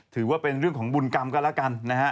ถือว่าเป็นเรื่องของบุญกรรมก็แล้วกันนะฮะ